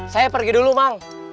saya pergi dulu mang